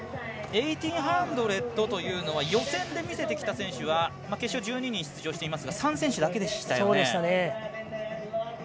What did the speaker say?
１８００というのは予選で見せてきた選手は決勝１２人出場していますが３選手だけでしたよね。